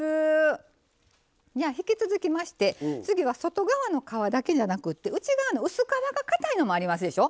引き続きまして次は外側の皮だけじゃなくて内側の薄皮がかたいのもありますでしょ。